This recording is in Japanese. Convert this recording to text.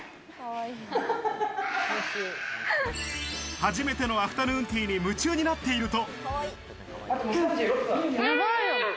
初めてのアフタヌーンティーに夢中になっていると。